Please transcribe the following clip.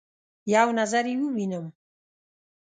یو نظر يې ووینم